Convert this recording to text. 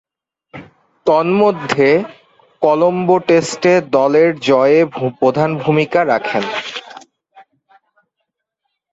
তন্মধ্যে, কলম্বো টেস্টে দলের জয়ে প্রধান ভূমিকা রাখেন।